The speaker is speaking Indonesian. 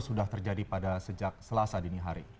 sudah terjadi pada sejak selasa dini hari